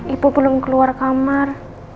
ibu belum keluar kamar